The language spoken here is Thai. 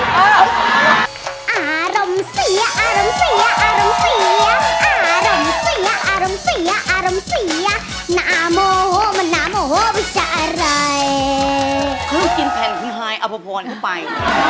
เข้ากินแผ่นขึ้นไหล่อับอบวนเข้าไป